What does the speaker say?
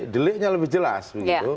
deliknya lebih jelas